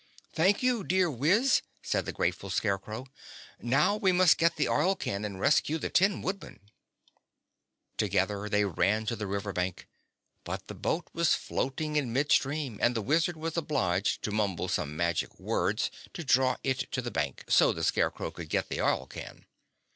"Thank you, dear Wiz," said the grateful Scarecrow. "Now we must get the oil can and rescue the Tin Woodman." Together they ran to the river bank, but the boat was floating in midstream and the Wizard was obliged to mumble some magic words to draw it to the bank, so the Scarecrow could get the oil can.